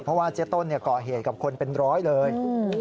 เพราะว่าเจ๊ต้นก่อเหตุกับคนเป็นร้อยเลย